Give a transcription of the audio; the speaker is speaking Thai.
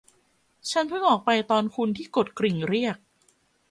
ฉันเพิ่งออกไปตอนคุณที่กดกริ่งเรียก